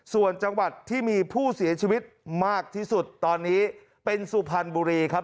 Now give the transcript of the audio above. ส่วนจังหวัดที่มีผู้เสียชีวิตมากที่สุดตอนนี้เป็นสุพรรณบุรีครับ